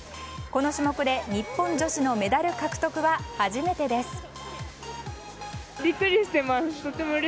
この種目で日本女子のメダル獲得は初めてです。